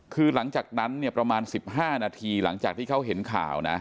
คือหลังจากนั้นเนี่ยประมาณ๑๕นาทีหลังจากที่เขาเห็นข่าวนะ